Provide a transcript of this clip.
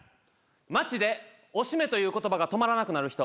街で「おしめ」という言葉が止まらなくなる人。